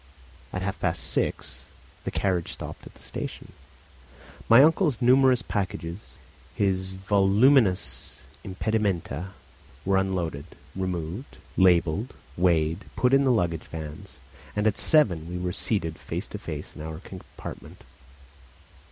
At half past six the carriage stopped at the station; my uncle's numerous packages, his voluminous impedimenta, were unloaded, removed, labelled, weighed, put into the luggage vans, and at seven we were seated face to face in our compartment.